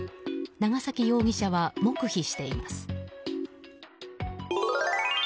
長崎容疑者は黙秘しています。